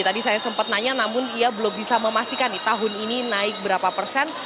tadi saya sempat nanya namun ia belum bisa memastikan tahun ini naik berapa persen